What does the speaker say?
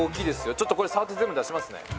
ちょっとこれ触って全部出しますね。